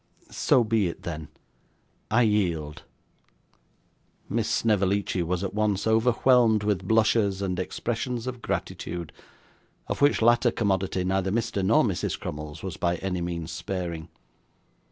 So be it then. I yield.' Miss Snevellicci was at once overwhelmed with blushes and expressions of gratitude, of which latter commodity neither Mr. nor Mrs. Crummles was by any means sparing.